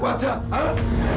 rasul tidak bersalah